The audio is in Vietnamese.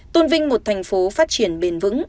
tôn vinh một thành phố phát triển bền vững